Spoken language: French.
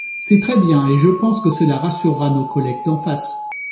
C’est très bien, et je pense que cela rassurera nos collègues d’en face.